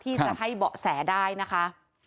ที่จะให้เบาะแสได้นะคะ